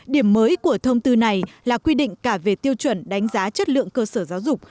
điểm mới của thông tư này là quy định cả về tiêu chuẩn đánh giá chất lượng cơ sở giáo dục